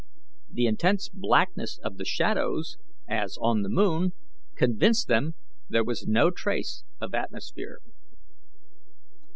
The intense blackness of the shadows, as on the moon, convinced them there was no trace of atmosphere.